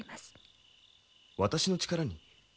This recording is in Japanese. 私の力に？